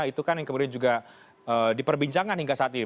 itu kan yang kemudian juga diperbincangkan hingga saat ini